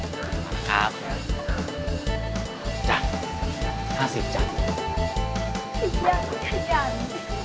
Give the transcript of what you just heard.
ขอบคุณครับจ้ะห้าสิบจ้ะยังยัง